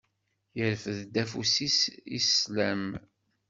Yerfed-d afus-is s sslam.